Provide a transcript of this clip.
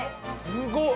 すごっ。